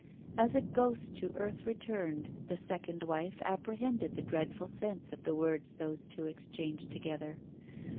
As a ghost to earth returned, the second wife appre hended the dreadful sense of the words those two exchanged together.